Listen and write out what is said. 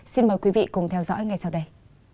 xin mời quý vị cùng theo dõi ngay sau đây